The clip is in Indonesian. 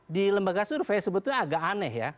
di lembaga survei sebetulnya agak aneh ya